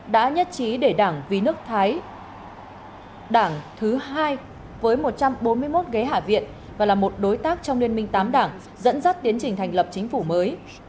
đã nhất trí để đảng vì nước thái đảng thứ hai với một trăm bốn mươi một ghế hạ viện và là một đối tác trong liên minh tám đảng dẫn dắt tiến trình thành lập chính phủ mới